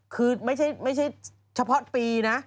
คือไม่ใช่เฉพาะปีนะ